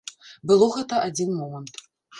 Было гэта адзін момант.